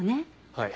はい。